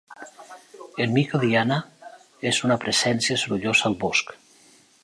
El mico Diana és una presència sorollosa al bosc.